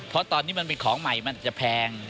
เพราะตอนนี้มันเป็นของใหม่มันอาจจะแพง